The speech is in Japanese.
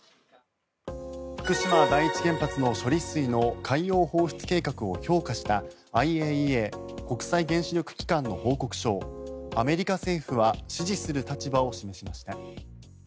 福島第一原発の処理水の海洋放出計画を評価したＩＡＥＡ・国際原子力機関の報告書をアメリカ政府は支持する立場を示しました。